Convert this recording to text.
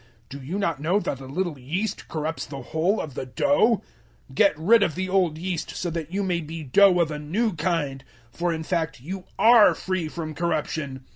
Do you not know that a little yeast corrupts the whole of the dough? 005:007 Get rid of the old yeast so that you may be dough of a new kind; for in fact you *are* free from corruption.